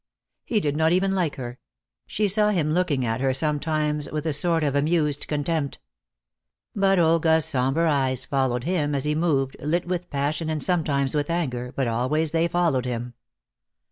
He did not even like her; she saw him looking at her sometimes with a sort of amused contempt. But Olga's somber eyes followed him as he moved, lit with passion and sometimes with anger, but always they followed him.